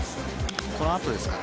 このあとですかね。